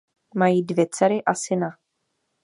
Mají dvě dcery a syna.